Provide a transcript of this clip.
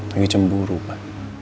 lagi cemburu pak